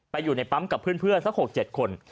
อยู่ในปั๊มกับเพื่อนสัก๖๗คน